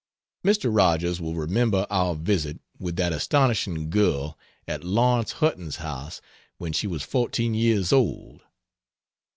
Mr. Rogers will remember our visit with that astonishing girl at Lawrence Hutton's house when she was fourteen years old.